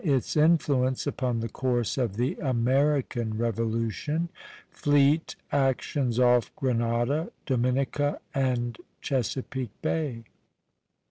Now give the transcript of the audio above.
ITS INFLUENCE UPON THE COURSE OF THE AMERICAN REVOLUTION. FLEET ACTIONS OFF GRENADA, DOMINICA, AND CHESAPEAKE BAY.